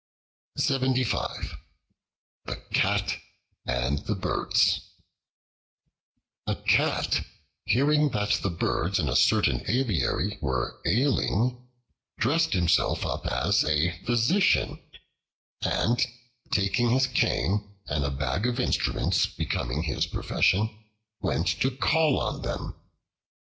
The Cat and the Birds A CAT, hearing that the Birds in a certain aviary were ailing dressed himself up as a physician, and, taking his cane and a bag of instruments becoming his profession, went to call on them.